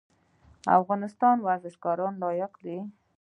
د افغانستان ورزشکاران لایق دي